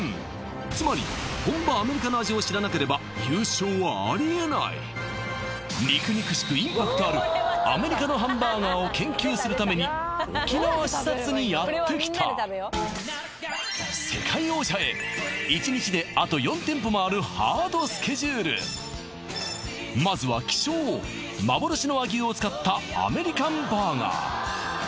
つまり本場肉肉しくインパクトあるアメリカのハンバーガーを研究するために沖縄視察にやってきた世界王者へ１日であと４店舗回るハードスケジュールまずは希少幻の和牛を使ったアメリカンバーガー